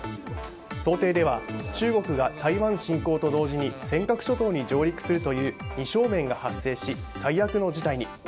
想定では中国が台湾侵攻と同時に尖閣諸島に上陸するという二正面が発生し、最悪の事態に。